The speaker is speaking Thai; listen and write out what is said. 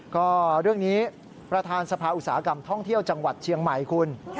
ก็เรื่องนี้ประธานสภาอุตสาหกรรมท่องเที่ยวจังหวัดเชียงใหม่คุณ